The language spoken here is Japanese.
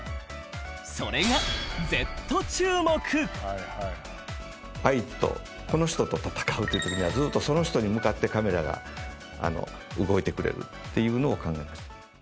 それが、Ｚ注目あいつとこの人と戦うっていう時にはずっとその人に向かってカメラが動いてくれるっていうのを考えました。